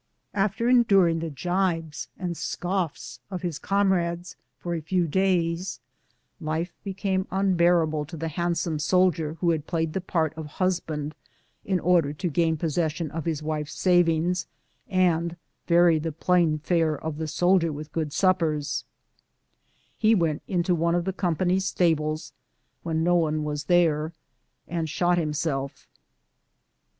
After enduring the gibes and scoffs of his comrades for a few days, life became unbearable to the handsome sol dier who had played the part of husband in order to gain possession of his wife's savings and vary the plain fare of the soldier with good suppers ; he went into one of the company's stables when no one was there and shot himself.